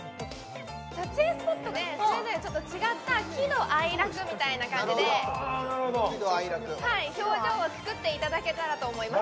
撮影スポットでそれぞれちょっと違った喜怒哀楽みたいな感じでなるほど喜怒哀楽はい表情をつくっていただけたらと思います